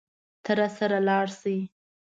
ته راسره لاړ شې.